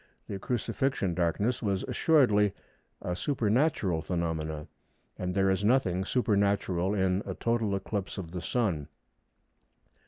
The Crucifixion darkness was assuredly a supernatural phenomenon, and there is nothing supernatural in a total eclipse of the Sun.